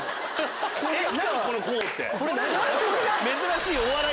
珍しい！